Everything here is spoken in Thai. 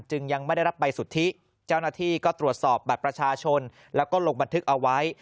ยังไม่ได้รับใบสุทธิเจ้าหน้าที่ก็ตรวจสอบบัตรประชาชนแล้วก็ลงบันทึกเอาไว้